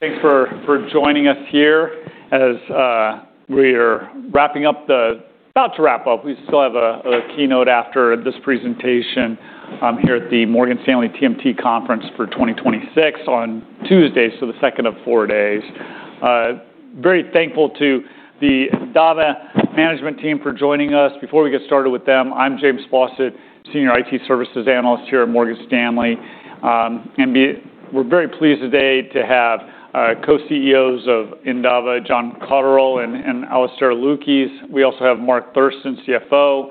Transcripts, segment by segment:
Thanks for joining us here as we are about to wrap up. We still have a keynote after this presentation here at the Morgan Stanley TMT conference for 2026 on Tuesday. The second of four days. Very thankful to the Endava management team for joining us. Before we get started with them, I'm James Faucette, Senior IT Services Analyst here at Morgan Stanley. We're very pleased today to have our co-CEOs of Endava, John Cotterell and Alastair Lukies. We also have Mark Thurston, Chief Financial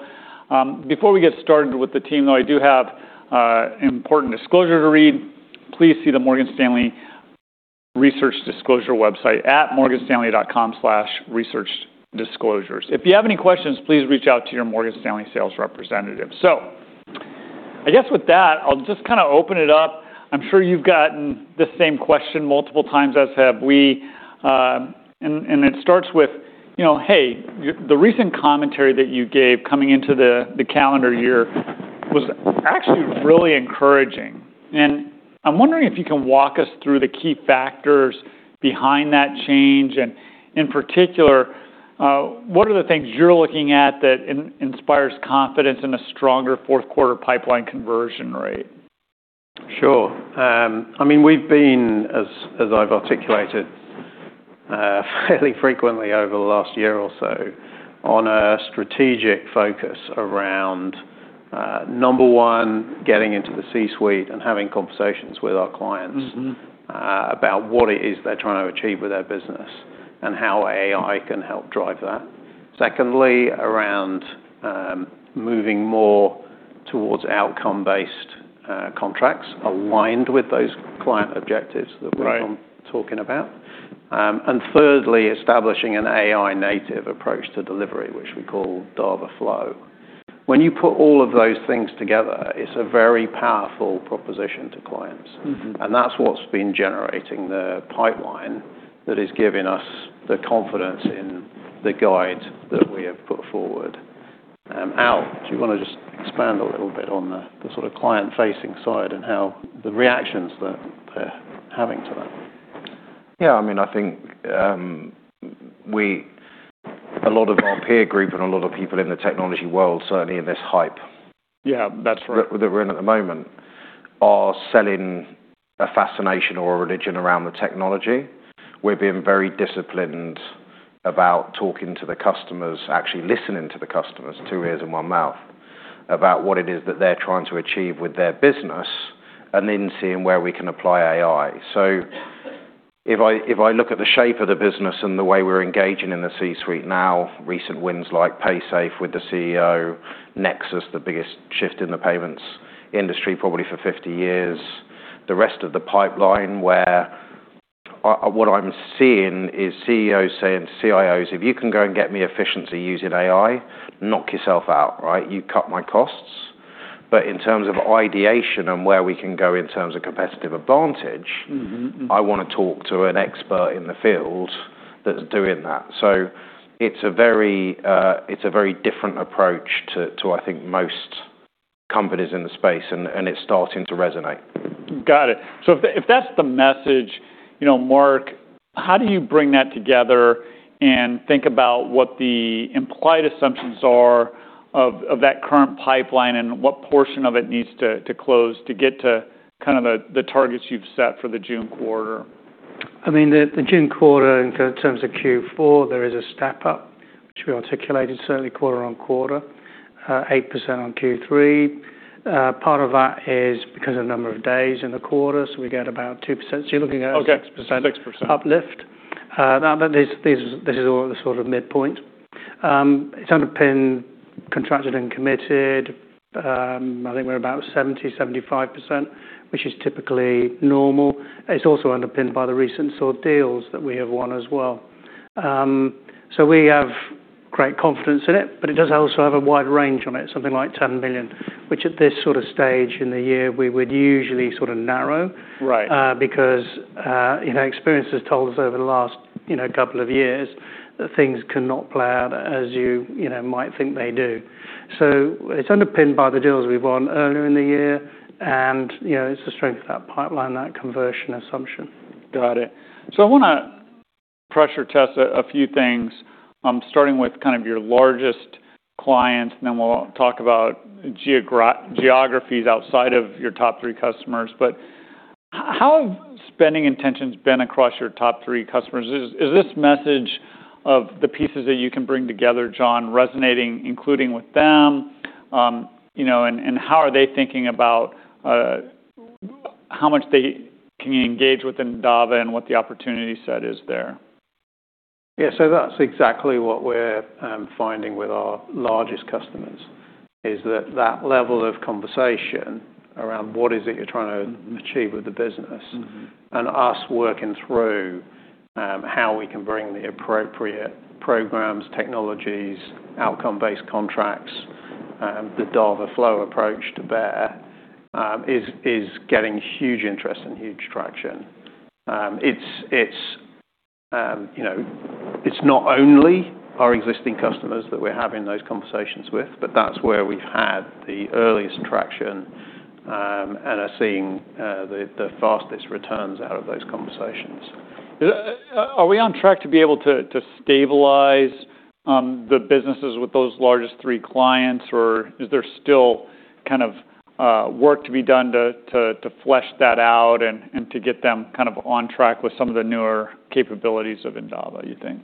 Officer. Before we get started with the team, though, I do have important disclosure to read. Please see the Morgan Stanley Research Disclosure website at morganstanley.com/researchdisclosures. If you have any questions, please reach out to your Morgan Stanley sales representative. I guess with that, I'll just kinda open it up. I'm sure you've gotten the same question multiple times, as have we. It starts with, you know, hey, the recent commentary that you gave coming into the calendar year was actually really encouraging. I'm wondering if you can walk us through the key factors behind that change. In particular, what are the things you're looking at that inspires confidence in a stronger fourth quarter pipeline conversion rate? Sure. I mean, we've been, as I've articulated, fairly frequently over the last year or so, on a strategic focus around, number one, getting into the C-suite and having conversations with our clients. Mm-hmm About what it is they're trying to achieve with their business and how AI can help drive that. Secondly, around, moving more towards outcome-based contracts aligned with those client objectives. Right We're talking about. Thirdly, establishing an AI native approach to delivery, which we call Endava Flow. When you put all of those things together, it's a very powerful proposition to clients. Mm-hmm. That's what's been generating the pipeline that is giving us the confidence in the guide that we have put forward. Al, do you wanna just expand a little bit on the sort of client-facing side and how the reactions that they're having to that? I mean, I think, we, a lot of our peer group and a lot of people in the technology world, certainly in this. Yeah, that's right. That we're in at the moment are selling a fascination or a religion around the technology. We're being very disciplined about talking to the customers, actually listening to the customers, two ears and one mouth, about what it is that they're trying to achieve with their business, and then seeing where we can apply AI. If I look at the shape of the business and the way we're engaging in the C-suite now, recent wins like Paysafe with the Chief Executive Officer, Nexus, the biggest shift in the payments industry probably for 50 years. The rest of the pipeline where, what I'm seeing is CEOs saying to CIOs, "If you can go and get me efficiency using AI, knock yourself out," right? You cut my costs. In terms of ideation and where we can go in terms of competitive advantage. Mm-hmm I wanna talk to an expert in the field that's doing that. It's a very, it's a very different approach to I think most companies in the space, and it's starting to resonate. Got it. If that's the message, you know, Mark, how do you bring that together and think about what the implied assumptions are of that current pipeline and what portion of it needs to close to get to kind of the targets you've set for the June quarter? I mean, the June quarter, in terms of Q4, there is a step up, which we articulated certainly quarter-on-quarter, 8% on Q3. Part of that is because of the number of days in the quarter, so we get about 2%. You're looking at. Okay. 6%. 6%. Uplift. Now, this is all the sort of midpoint. It's underpinned, contracted, and committed. I think we're about 70%-75%, which is typically normal. It's also underpinned by the recent sort of deals that we have won as well. We have great confidence in it, but it does also have a wide range on it, something like 10 million, which at this sort of stage in the year, we would usually sort of narrow. Right. Because, you know, experience has told us over the last, you know, couple of years that things cannot play out as you know, might think they do. It's underpinned by the deals we've won earlier in the year and, you know, it's the strength of that pipeline, that conversion assumption. Got it. I wanna pressure test a few things, starting with kind of your largest clients, and then we'll talk about geographies outside of your top three customers. How have spending intentions been across your top three customers? Is this message of the pieces that you can bring together, John, resonating, including with them? you know, and how are they thinking about, how much they can engage with Endava and what the opportunity set is there? Yeah. That's exactly what we're finding with our largest customers, is that that level of conversation around what is it you're trying to achieve with the business. Mm-hmm And us working through, how we can bring the appropriate programs, technologies, outcome-based contracts, the Endava Flow approach to bear, is getting huge interest and huge traction. You know, it's not only our existing customers that we're having those conversations with, but that's where we've had the earliest traction, and are seeing the fastest returns out of those conversations. Are we on track to be able to stabilize, the businesses with those largest three clients, or is there still kind of, work to be done to flesh that out and to get them kind of on track with some of the newer capabilities of Endava, you think?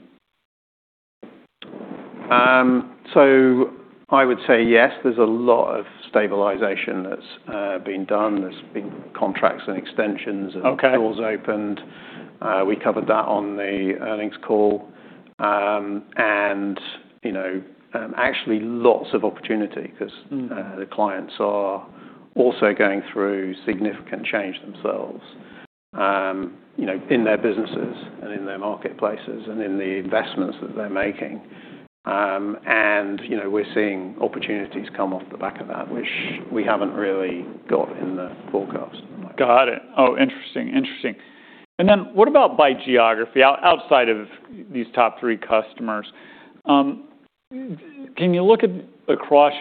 I would say yes, there's a lot of stabilization that's been done. There's been contracts and extensions. Okay. Doors opened. We covered that on the earnings call. You know, actually lots of opportunity 'cause. Mm. The clients are also going through significant change themselves, you know, in their businesses and in their marketplaces and in the investments that they're making. You know, we're seeing opportunities come off the back of that which we haven't really got in the forecast. Got it. Oh, interesting. Interesting. Then what about by geography? Outside of these top three customers, can you look at across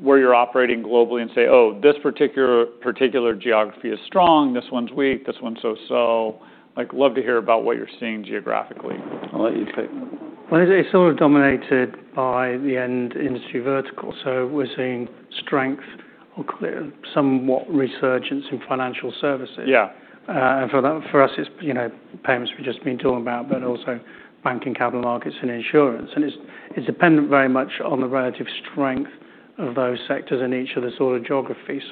where you're operating globally and say, "Oh, this particular geography is strong. This one's weak. This one's so-so." Like, love to hear about what you're seeing geographically. I'll let you take that one. Well, it's sort of dominated by the end industry vertical. We're seeing strength or clear somewhat resurgence in financial services. Yeah. For us, it's, you know, payments we've just been talking about, but also banking, capital markets, and insurance. It's, it's dependent very much on the relative strength of those sectors in each of the sort of geographies.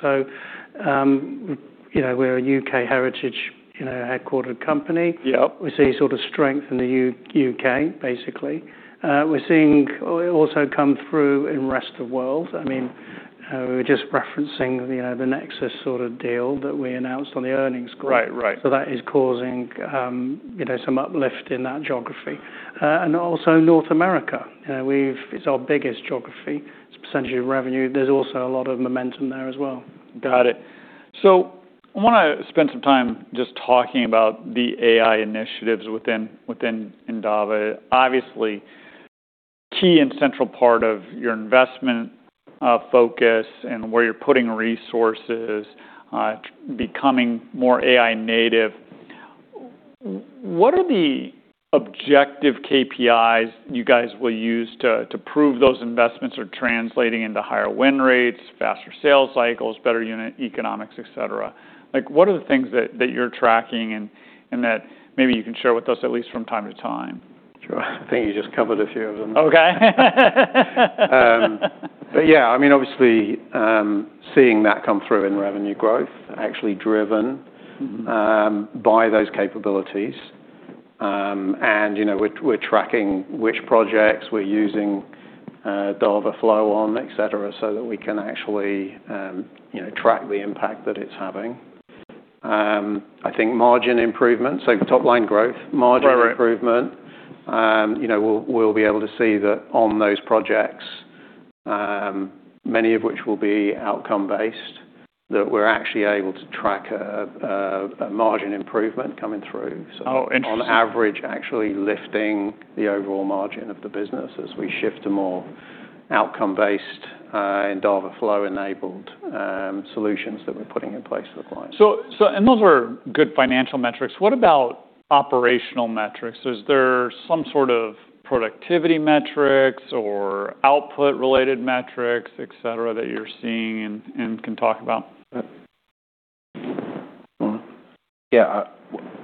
You know, we're a U.K. heritage, you know, headquartered company. Yep. We see sort of strength in the U.K., basically. We're seeing also come through in rest of world. I mean, we were just referencing, you know, the Nexus sort of deal that we announced on the earnings call. Right. Right. That is causing, you know, some uplift in that geography. Also North America. You know, it's our biggest geography. It's a percentage of revenue. There's also a lot of momentum there as well. Got it. I wanna spend some time just talking about the AI initiatives within Endava. Obviously, key and central part of your investment focus and where you're putting resources, becoming more AI native. What are the objective KPIs you guys will use to prove those investments are translating into higher win rates, faster sales cycles, better unit economics, et cetera? Like, what are the things that you're tracking and that maybe you can share with us at least from time to time? Sure. I think you just covered a few of them. Okay. Yeah. I mean, obviously, seeing that come through in revenue growth actually. Mm-hmm. By those capabilities. You know, we're tracking which projects we're using Endava Flow on, et cetera, so that we can actually, you know, track the impact that it's having. I think margin improvements, so top line growth, margin improvement. Right. Right. you know, we'll be able to see that on those projects, many of which will be outcome-based, that we're actually able to track a margin improvement coming through. Oh, interesting. On average, actually lifting the overall margin of the business as we shift to more outcome-based, Endava Flow enabled, solutions that we're putting in place for the client. Those are good financial metrics. What about operational metrics? Is there some sort of productivity metrics or output related metrics, etc., that you're seeing and can talk about? Alastair? Yeah.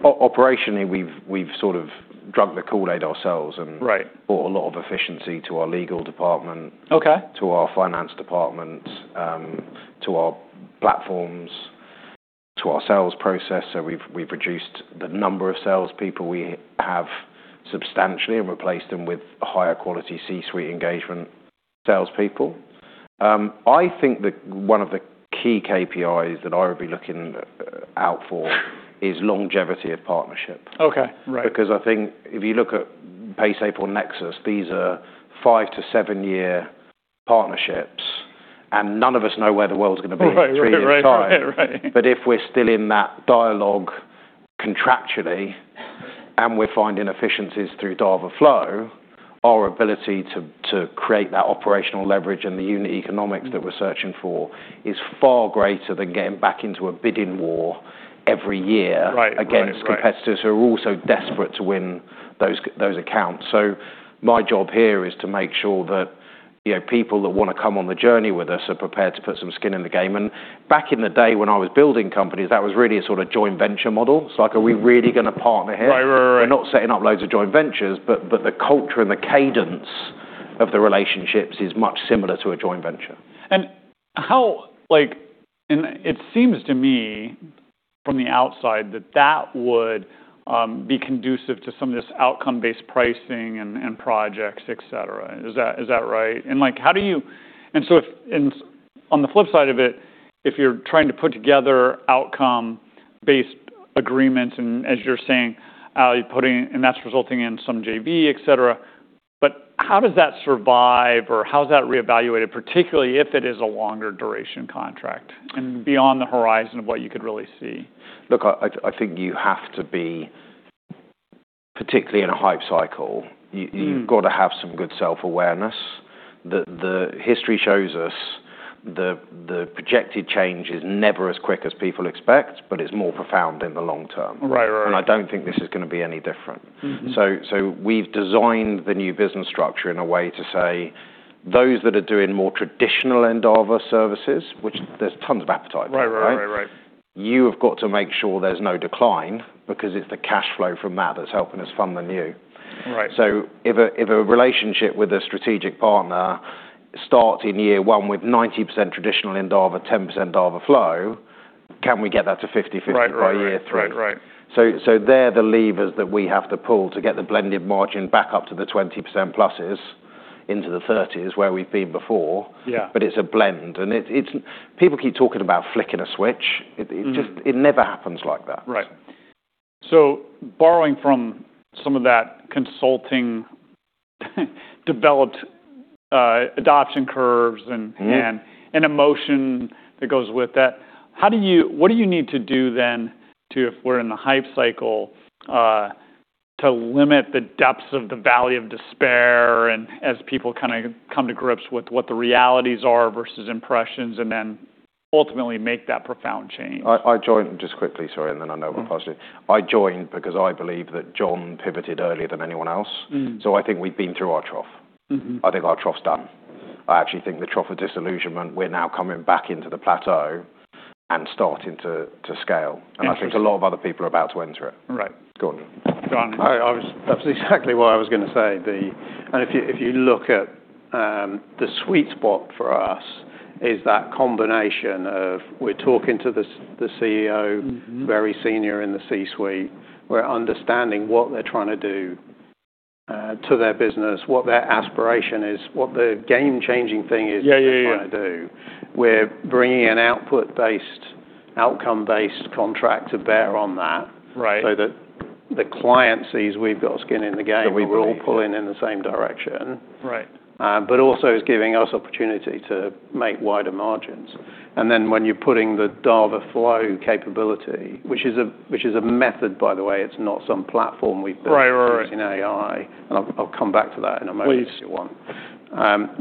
operationally, we've sort of drunk the Kool-Aid ourselves and- Right. Brought a lot of efficiency to our legal department. Okay. To our finance department, to our platforms, to our sales process. We've reduced the number of salespeople we have substantially and replaced them with higher quality C-suite engagement salespeople. I think that one of the key KPIs that I would be looking out for is longevity of partnership. Okay. Right. I think if you look at Pace, Apple, Nexus, these are five to seven-year partnerships, and none of us know where the world's gonna be three years time. Right. Right. Right. If we're still in that dialogue contractually, and we're finding efficiencies through Endava Flow, our ability to create that operational leverage and the unit economics that we're searching for is far greater than getting back into a bidding war every year. Right. Right. Right. Against competitors who are also desperate to win those accounts. My job here is to make sure that, you know, people that wanna come on the journey with us are prepared to put some skin in the game. Back in the day when I was building companies, that was really a sort of joint venture model. It's like, are we really gonna partner here? Right. Right. Right. We're not setting up loads of joint ventures, but the culture and the cadence of the relationships is much similar to a joint venture. It seems to me from the outside that that would be conducive to some of this outcome-based pricing and projects, et cetera. Is that right? Like, on the flip side of it, if you're trying to put together outcome-based agreements and as you're saying, that's resulting in some JV, et cetera. How does that survive or how's that reevaluated, particularly if it is a longer duration contract and beyond the horizon of what you could really see? Look, I think you have to be particularly in a Hype Cycle. Mm. You've got to have some good self-awareness. The history shows us the projected change is never as quick as people expect, but it's more profound in the long term. Right. Right. Right. I don't think this is gonna be any different. Mm-hmm. We've designed the new business structure in a way to say those that are doing more traditional Endava services, which there's tons of appetite for, right? Right. Right. Right. You have got to make sure there's no decline because it's the cash flow from that that's helping us fund the new. Right. If a relationship with a strategic partner starts in year one with 90% traditional Endava, 10% Endava Flow, can we get that to 50/50? Right. By year three? Right. Right. They're the levers that we have to pull to get the blended margin back up to the 20% pluses into the 30s where we've been before. Yeah. It's a blend. People keep talking about flicking a switch. Mm. It just. It never happens like that. Right. borrowing from some of that consulting developed, adoption curves. Mm-hmm And emotion that goes with that, What do you need to do then to, if we're in the Hype Cycle, to limit the depths of the valley of despair and as people kinda come to grips with what the realities are versus impressions, and then ultimately make that profound change? I joined. Just quickly. Sorry. Then I know we'll pass to you. I joined because I believe that John pivoted earlier than anyone else. Mm. I think we've been through our trough. Mm-hmm. I think our trough's done. I actually think the Trough of Disillusionment, we're now coming back into the plateau and starting to scale. Interesting. I think a lot of other people are about to enter it. Right. Go on. John. That's exactly what I was gonna say. If you look at, the sweet spot for us is that combination of we're talking to the Chief Executive Officer. Mm-hmm Very senior in the C-suite. We're understanding what they're trying to do to their business, what their aspiration is, what the game-changing thing is. Yeah. Yeah. Yeah. They're trying to do. We're bringing an output-based, outcome-based contract to bear on that. Right So that the client sees we've got skin in the game. Totally We're all pulling in the same direction. Right. Also is giving us opportunity to make wider margins. Then when you're putting the Ava Flow capability, which is a method by the way, it's not some platform we've built. Right. Using AI. I'll come back to that in a moment. Please If you want.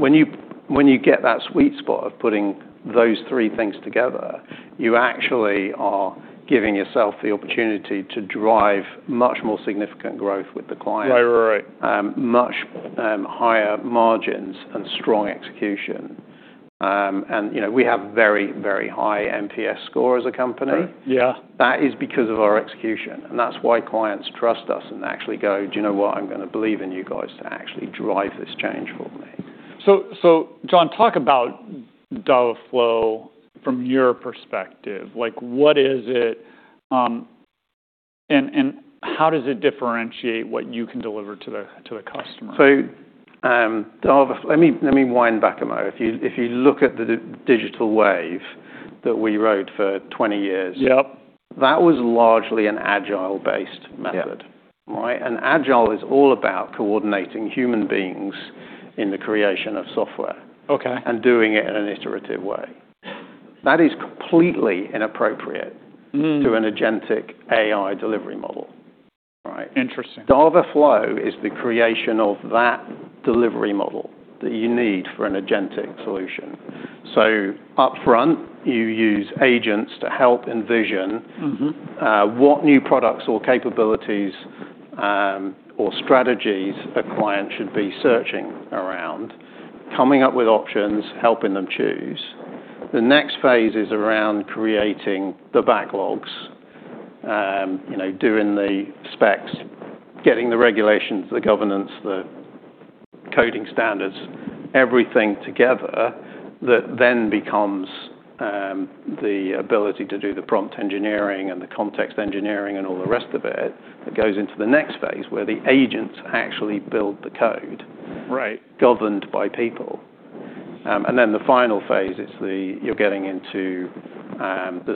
When you get that sweet spot of putting those three things together, you actually are giving yourself the opportunity to drive much more significant growth with the client. Right. Right. Right. Much, higher margins and strong execution. You know, we have very, very high NPS score as a company. Right. Yeah. That is because of our execution. That's why clients trust us and actually go, "Do you know what? I'm gonna believe in you guys to actually drive this change for me. John, talk about Endava Flow from your perspective. Like, what is it, and how does it differentiate what you can deliver to the customer? Let me wind back a mo. If you look at the digital wave that we rode for 20 years. Yep That was largely an agile-based method. Yeah. Right? agile is all about coordinating human beings in the creation of software. Okay And doing it in an iterative way. That is completely inappropriate- Mm To an agentic AI delivery model. Right? Interesting. Dava.Flow is the creation of that delivery model that you need for an agentic solution. Upfront, you use agents to help. Mm-hmm What new products or capabilities, or strategies a client should be searching around, coming up with options, helping them choose. The next phase is around creating the backlogs, you know, doing the specs, getting the regulations, the governance, the coding standards, everything together that then becomes the ability to do the prompt engineering and the context engineering and all the rest of it that goes into the next phase, where the agents actually build the code. Right Governed by people. The final phase is the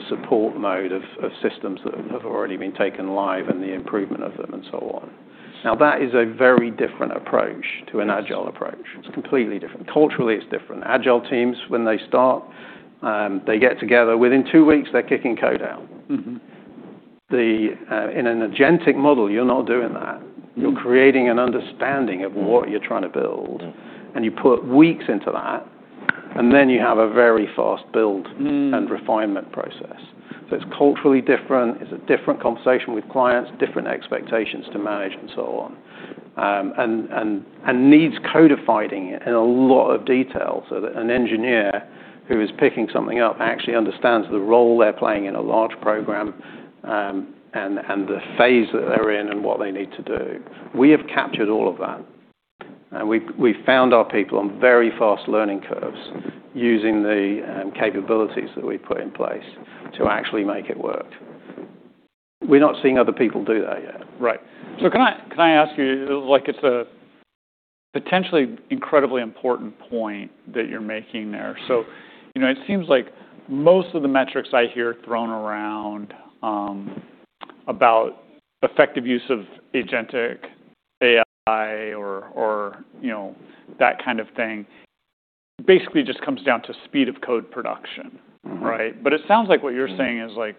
support mode of systems that have already been taken live and the improvement of them and so on. That is a very different approach to an agile approach. It's completely different. Culturally, it's different. agile teams, when they start, they get together, within two weeks, they're kicking code out. Mm-hmm. The, in an agentic model, you're not doing that. Mm. You're creating an understanding of what you're trying to build. Mm. You put weeks into that, and then you have a very fast build. Mm And refinement process. It's culturally different. It's a different conversation with clients, different expectations to manage and so on. Needs codifying it in a lot of detail so that an engineer who is picking something up actually understands the role they're playing in a large program, and the phase that they're in and what they need to do. We have captured all of that, and we've found our people on very fast learning curves using the capabilities that we've put in place to actually make it work. We're not seeing other people do that yet. Right. Can I ask you, like, it's a potentially incredibly important point that you're making there. You know, it seems like most of the metrics I hear thrown around. About effective use of agentic AI or, you know, that kind of thing, basically just comes down to speed of code production. Mm-hmm. Right? It sounds like what you're saying is, like,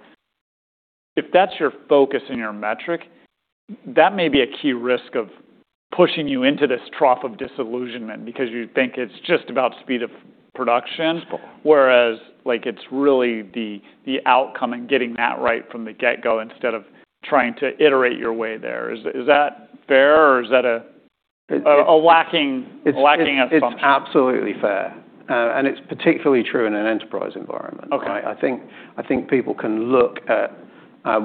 if that's your focus and your metric, that may be a key risk of pushing you into this Trough of Disillusionment because you think it's just about speed of production. It's really the outcome and getting that right from the get-go instead of trying to iterate your way there. Is that fair or is that? It's, it's- A lacking assumption? It's absolutely fair. It's particularly true in an enterprise environment. Okay. I think people can look at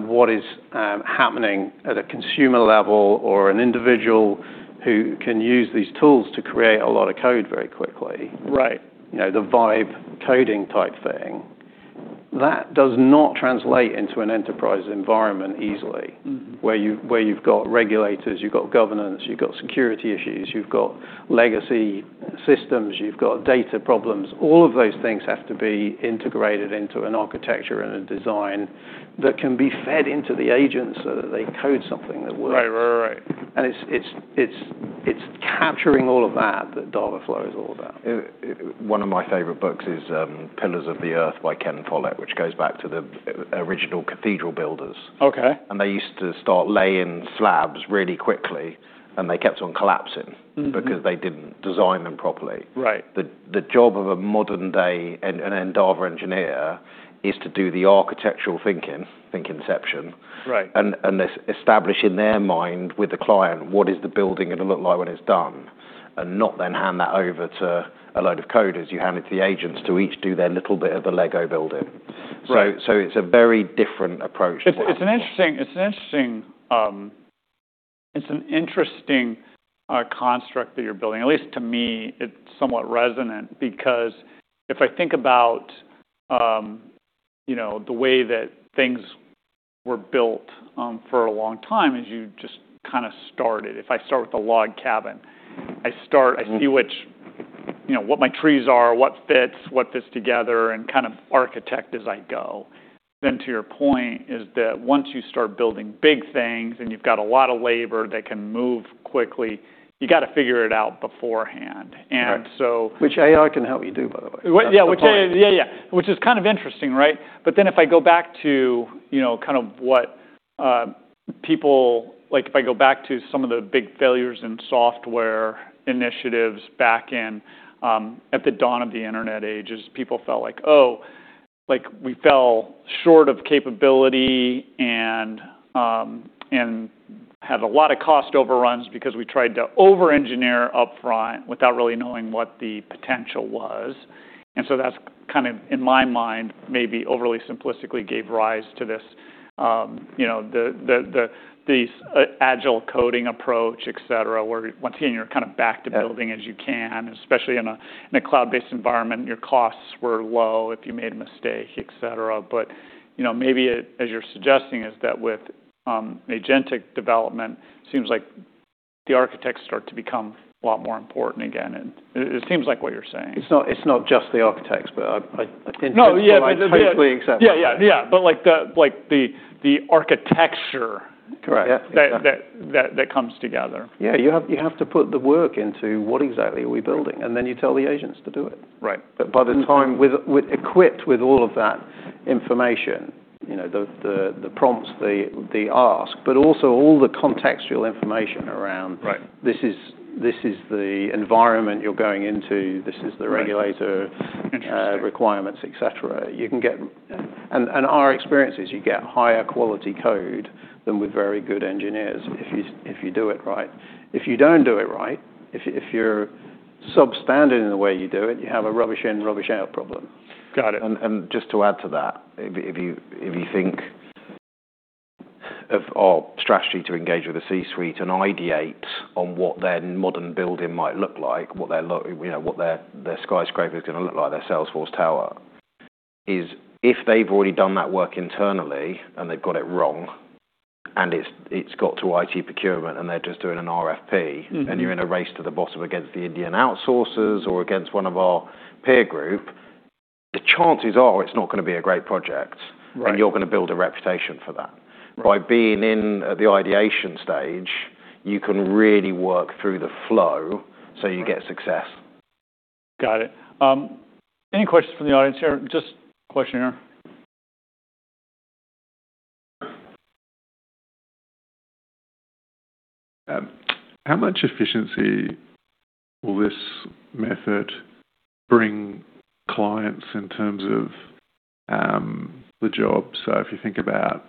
what is happening at a consumer level or an individual who can use these tools to create a lot of code very quickly. Right. You know, the vibe coding type thing. That does not translate into an enterprise environment easily. Mm-hmm Where you've got regulators, you've got governance, you've got security issues, you've got legacy systems, you've got data problems. All of those things have to be integrated into an architecture and a design that can be fed into the agents so that they code something that works. Right. Right. Right. It's capturing all of that Dava.Flow is all about. One of my favorite books is The Pillars of the Earth by Ken Follett, which goes back to the original cathedral builders. Okay. They used to start laying slabs really quickly, and they kept on collapsing. Mm-hmm Because they didn't design them properly. Right. The job of a modern day and Endava engineer is to do the architectural thinking, think inception. Right. This establish in their mind with the client what is the building gonna look like when it's done, not then hand that over to a load of coders. You hand it to the agents to each do their little bit of the Lego building. Right. it's a very different approach to... It's an interesting construct that you're building. At least to me, it's somewhat resonant because if I think about, you know, the way that things were built, for a long time, as you just kind of started. If I start with a log cabin. Mm-hmm. I see which, you know, what my trees are, what fits, what fits together, and kind of architect as I go. To your point is that once you start building big things and you've got a lot of labor that can move quickly, you gotta figure it out beforehand. Which AI can help you do, by the way. Well, yeah. Yeah. Which is kind of interesting, right? If I go back to, you know, kind of what Like, if I go back to some of the big failures in software initiatives back in, at the dawn of the internet age, is people felt like, oh, like we fell short of capability and had a lot of cost overruns because we tried to over-engineer upfront without really knowing what the potential was. That's kind of, in my mind, maybe overly simplistically gave rise to this, you know, this agile coding approach, et cetera, where once again, you're kinda back to building. Yeah as you can, especially in a cloud-based environment. Your costs were low if you made a mistake, et cetera. You know, maybe, as you're suggesting, is that with agentic development, seems like the architects start to become a lot more important again. It seems like what you're saying. It's not just the architects, but I. No. Yeah. the. I totally accept that. Yeah. like the. Correct. Yeah. Exactly.... that comes together. Yeah. You have to put the work into what exactly are we building, then you tell the agents to do it. Right. by the time with equipped with all of that information, you know, the prompts, the ask, but also all the contextual information around. Right... this is the environment you're going into, this is the. Interesting requirements, et cetera. Our experience is you get higher quality code than with very good engineers if you do it right. If you don't do it right, if you're substandard in the way you do it, you have a rubbish in, rubbish out problem. Got it. Just to add to that, if you think of our strategy to engage with the C-suite and ideate on what their modern building might look like, what their you know, what their skyscraper is going to look like, their Salesforce Tower, is if they've already done that work internally and they've got it wrong, and it's got to IT procurement and they're just doing an RFP. Mm-hmm You're in a race to the bottom against the Indian outsourcers or against one of our peer group, the chances are it's not gonna be a great project. Right. You're gonna build a reputation for that. Right. By being in the ideation stage, you can really work through the flow, so you get success. Got it. Any questions from the audience here? Just a question here. How much efficiency will this method bring clients in terms of the job? If you think about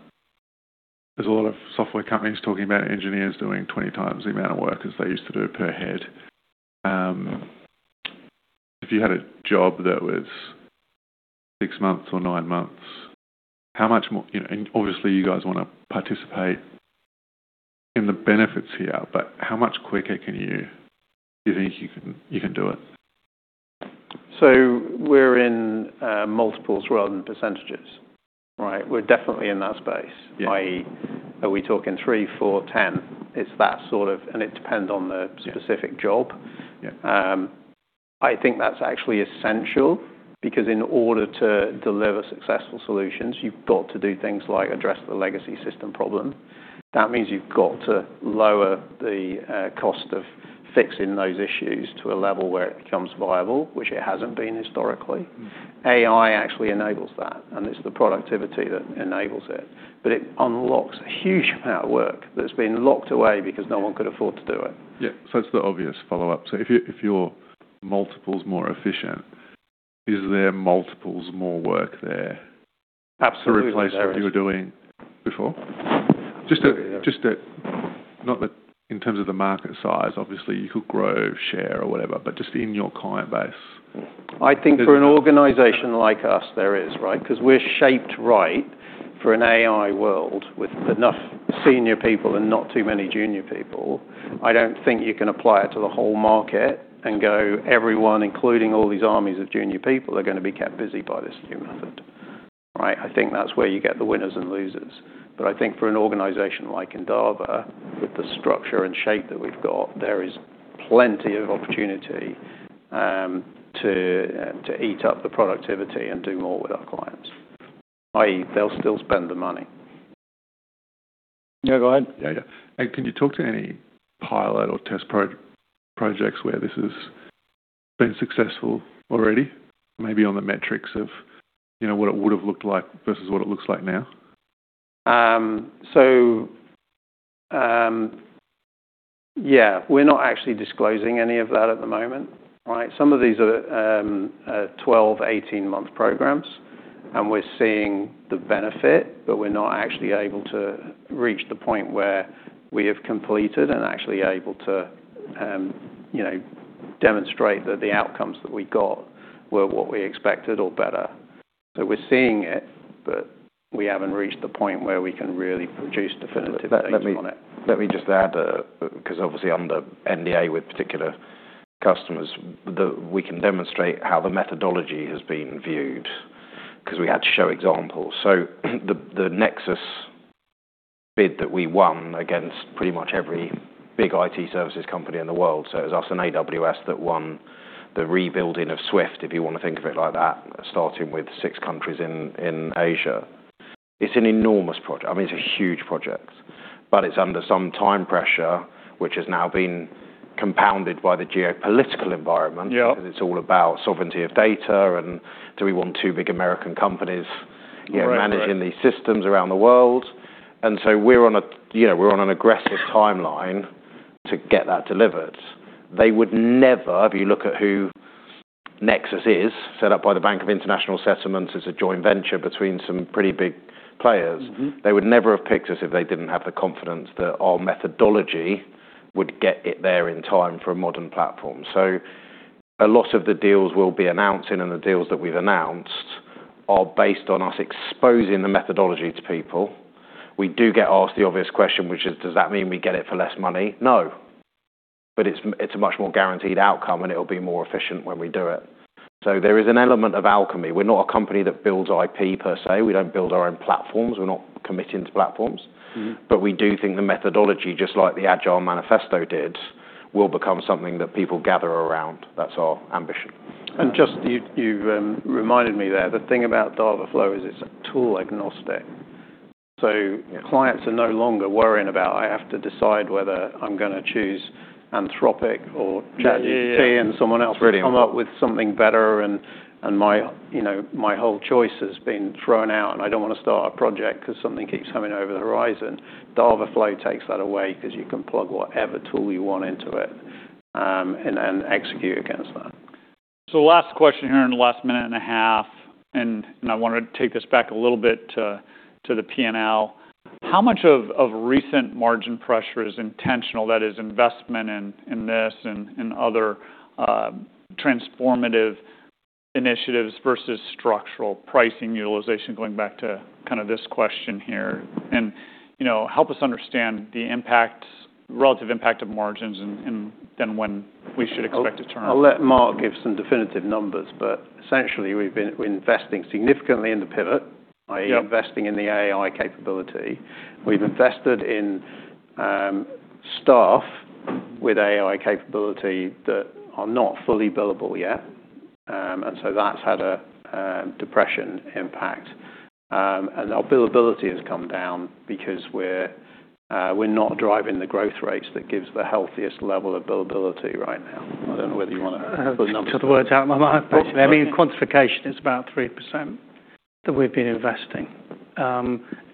there's a lot of software companies talking about engineers doing 20 times the amount of work as they used to do per head. If you had a job that was six months or nine months, you know, and obviously you guys wanna participate in the benefits here, but how much quicker can you, do you think you can, you can do it? We're in multiples rather than %, right? We're definitely in that space. Yeah. I.e., are we taking three, four, 10? It's that sort of... It depends on the specific job. Yeah. I think that's actually essential because in order to deliver successful solutions, you've got to do things like address the legacy system problem. That means you've got to lower the cost of fixing those issues to a level where it becomes viable, which it hasn't been historically. AI actually enables that, and it's the productivity that enables it. It unlocks a huge amount of work that's been locked away because no one could afford to do it. Yeah. It's the obvious follow-up. If your multiple is more efficient, is there multiples more work there? Absolutely. There is To replace what you were doing before? Just to, not that in terms of the market size, obviously, you could grow, share or whatever, but just in your client base. I think for an organization like us, there is, right? 'Cause we're shaped right for an AI world with enough senior people and not too many junior people. I don't think you can apply it to the whole market and go, everyone, including all these armies of junior people, are gonna be kept busy by this new method, right? I think that's where you get the winners and losers. I think for an organization like Endava, with the structure and shape that we've got, there is plenty of opportunity to eat up the productivity and do more with our clients. I.e., they'll still spend the money. Yeah, go ahead. Yeah. Can you talk to any pilot or test projects where this has been successful already, maybe on the metrics of, you know, what it would have looked like versus what it looks like now? Yeah, we're not actually disclosing any of that at the moment, right? Some of these are 12, 18-month programs, and we're seeing the benefit, but we're not actually able to reach the point where we have completed and actually able to, you know, demonstrate that the outcomes that we got were what we expected or better. We're seeing it, but we haven't reached the point where we can really produce definitive things on it. Let me just add, 'cause obviously under NDA with particular customers, we can demonstrate how the methodology has been viewed 'cause we had to show examples. The Nexus bid that we won against pretty much every big IT services company in the world. It was us and AWS that won the rebuilding of SWIFT, if you wanna think of it like that, starting with 6 countries in Asia. It's an enormous project. I mean, it's a huge project. It's under some time pressure, which has now been compounded by the geopolitical environment. Yeah cause it's all about sovereignty of data and do we want 2 big American companies, you know. Correct Managing these systems around the world. We're on a, you know, we're on an aggressive timeline to get that delivered. They would never. If you look at who Nexus is, set up by the Bank for International Settlements as a joint venture between some pretty big players. Mm-hmm They would never have picked us if they didn't have the confidence that our methodology would get it there in time for a modern platform. A lot of the deals we'll be announcing and the deals that we've announced are based on us exposing the methodology to people. We do get asked the obvious question, which is, does that mean we get it for less money? No, but it's a much more guaranteed outcome, and it'll be more efficient when we do it. There is an element of alchemy. We're not a company that builds IP per se. We don't build our own platforms. We're not committing to platforms. Mm-hmm. We do think the methodology, just like the Agile Manifesto did, will become something that people gather around. That's our ambition. just you've reminded me there, the thing about Dava.Flow is it's tool-agnostic. Clients are no longer worrying about, I have to decide whether I'm gonna choose Anthropic or ChatGPT. Yeah, yeah. And someone else. It's really important. Will come up with something better, and my, you know, my whole choice has been thrown out, and I don't wanna start a project 'cause something keeps coming over the horizon. Dava.Flow takes that away 'cause you can plug whatever tool you want into it, and then execute against that. Last question here in the last minute and a half. I wanna take this back a little bit to the P&L. How much of recent margin pressure is intentional? That is investment in this and other, transformative initiatives versus structural pricing utilization, going back to kinda this question here. You know, help us understand the relative impact of margins and then when we should expect a turn. I'll let Mark give some definitive numbers, but essentially, we're investing significantly in the pivot- Yep I.e., investing in the AI capability. We've invested in, staff with AI capability that are not fully billable yet. That's had a, depression impact. Our billability has come down because we're not driving the growth rates that gives the healthiest level of billability right now. I don't know whether you wanna put numbers on it. You took the words out of my mouth, basically. Okay. I mean, quantification is about 3% that we've been investing.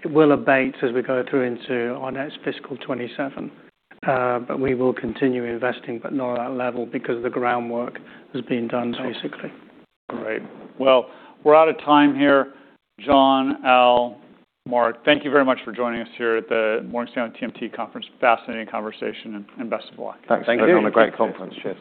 It will abate as we go through into our next fiscal 2027, but we will continue investing, but not at that level because the groundwork has been done, basically. Great. Well, we're out of time here. John, Al, Mark, thank you very much for joining us here at the Morgan Stanley TMT conference. Fascinating conversation, best of luck. Thank you. Thanks. It's been a great conference, Chad.